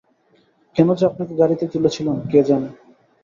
কেন যে আপনাকে গাড়িতে তুলেছিলাম কে জানে।